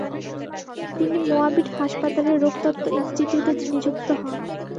তিনি মোয়াবিট হাসপাতালের রোগতত্ত্ব ইনস্টিটিউটে নিযুক্ত হন।